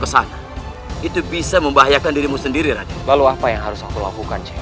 kesana itu bisa membahayakan dirimu sendiri ratu lalu apa yang harus aku lakukan cek